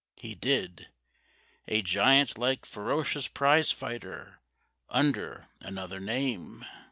He did— A giant like ferocious prize fighter, Under another name.